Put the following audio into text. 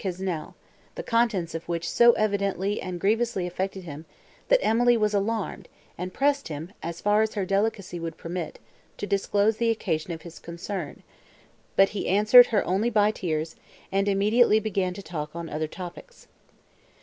Quesnel, the contents of which so evidently and grievously affected him, that Emily was alarmed, and pressed him, as far as her delicacy would permit, to disclose the occasion of his concern; but he answered her only by tears, and immediately began to talk on other topics.